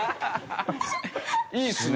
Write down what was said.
いいですね。